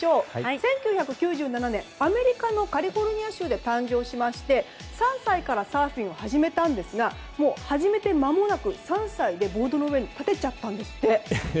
１９９７年、アメリカのカリフォルニア州で誕生しまして３歳からサーフィンを始めたんですが初めてまもなく３歳でボードの上に立てちゃったんですって。